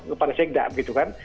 kepada segda gitu kan